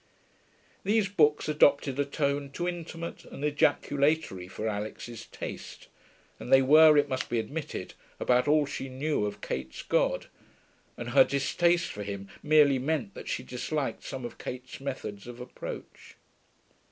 These books adopted a tone too intimate and ejaculatory for Alix's taste; and they were, it must be admitted, about all she knew of Kate's God, and her distaste for Him merely meant that she disliked some of Kate's methods of approach.